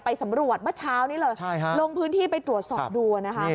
สำรวจเมื่อเช้านี้เลยลงพื้นที่ไปตรวจสอบดูนะคะ